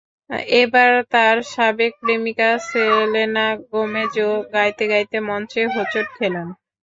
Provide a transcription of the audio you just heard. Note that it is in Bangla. এবার তাঁর সাবেক প্রেমিকা সেলেনা গোমেজও গাইতে গাইতে মঞ্চে হোঁচট খেলেন।